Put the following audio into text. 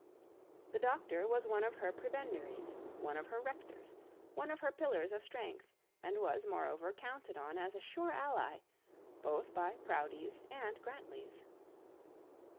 The doctor was one of the prebendaries, one of her rectors, one of her pillars of strength; and was, moreover, counted on, as a sure ally, both by Proudies and Grantlys.